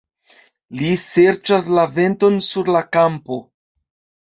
Li serĉas la venton sur la kampo.